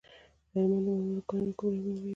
د هلمند د مرمرو کانونه کوم رنګونه لري؟